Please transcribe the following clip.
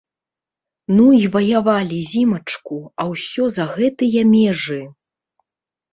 Ну і ваявалі зімачку, а ўсё за гэтыя межы!